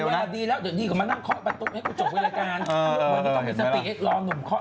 วันนี้ต้องมีสติเอ็กซ์ลองหน่วมเคราะห์